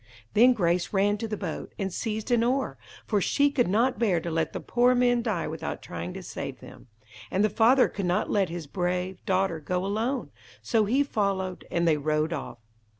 Then Grace ran to the boat, and seized an oar, for she could not bear to let the poor men die without trying to save them; and the father could not let his brave, daughter go alone, so he followed, and they rowed off.